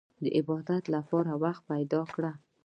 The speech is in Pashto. د عبادت لپاره وخت پيدا کړئ.